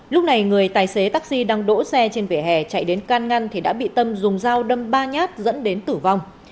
lúc này người tài xế taxi đang đỗ xe trên vỉa hè chạy đến can ngăn thì đã bị tâm dùng dao đâm ba nhát dẫn đến tử vong